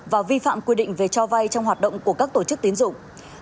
và vi phạm quy định về cho vay trong hoạt động của các tổ chức tiến dụng